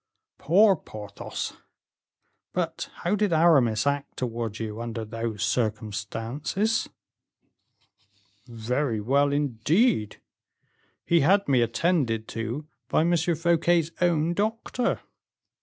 "Poor Porthos! But how did Aramis act towards you under those circumstances?" "Very well, indeed. He had me attended to by M. Fouquet's own doctor.